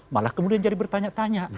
malah kemudian jadi bertanya tanya